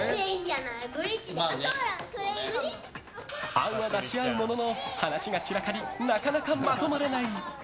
案は出し合うものの話が散らかりなかなかまとまらない。